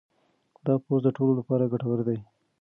دا پوسټ د ټولو لپاره ګټور دی.